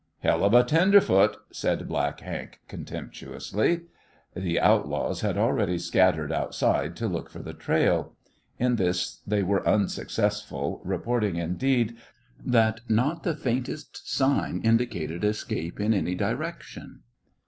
"Hell of a tenderfoot!" said Black Hank, contemptuously. The outlaws had already scattered outside to look for the trail. In this they were unsuccessful, reporting, indeed, that not the faintest sign indicated escape in any direction.